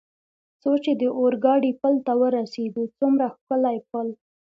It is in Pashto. څو چې د اورګاډي پل ته ورسېدو، څومره ښکلی پل.